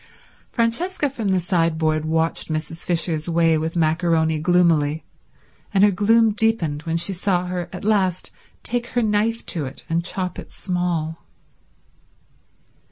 Francesca from the sideboard watched Mrs. Fisher's way with macaroni gloomily, and her gloom deepened when she saw her at last take her knife to it and chop it small.